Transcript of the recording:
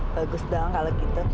bagus dong kalau gitu